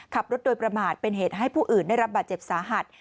ขับรถโดยประมาทเป็นเหตุให้ผู้อื่นได้รับบาดเจ็บสาหัส